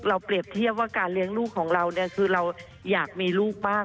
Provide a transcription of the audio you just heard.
เราเปรียบเทียบว่าการเลี้ยงลูกของเราคือเราอยากมีลูกมาก